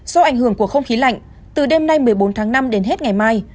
do ảnh hưởng của không khí lạnh từ đêm nay một mươi bốn tháng năm đến hết ngày mai